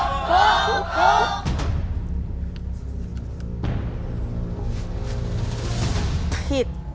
ถูกถูกถูกถูกถูกถูกถูก